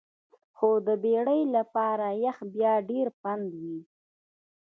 خو د بیړۍ لپاره یخ بیا ډیر پنډ وي